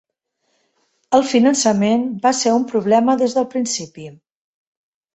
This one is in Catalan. El finançament va ser un problema des del principi.